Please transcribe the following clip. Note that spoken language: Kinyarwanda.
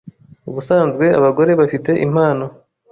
Ubusanzwe abagore bafite impano